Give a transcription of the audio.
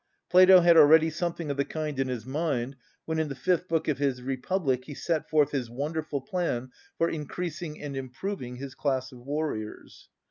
Plato had already something of the kind in his mind when in the fifth book of his Republic he set forth his wonderful plan for increasing and improving his class of warriors.